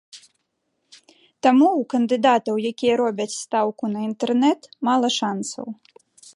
Таму ў кандыдатаў, якія робяць стаўку на інтэрнэт, мала шанцаў.